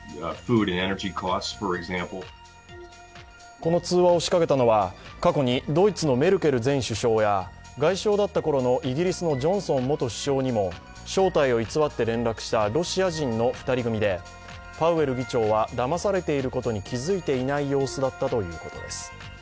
この通話を仕掛けたのは過去にドイツのメルケル前首相や外相だったころのイギリスのジョンソン元首相にも正体を偽って連絡したロシア人の２人組でパウエル議長はだまされていることに気づいていない様子だったということです。